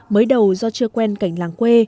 mới đầu do chưa quen cảnh làng quê